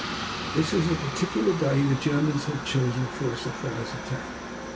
But this was the particular day the Germans had chosen for a surprise attack.